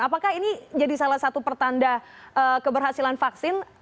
apakah ini jadi salah satu pertanda keberhasilan vaksin